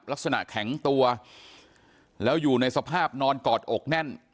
ลักษณะแข็งตัวแล้วอยู่ในสภาพนอนกอดอกแน่น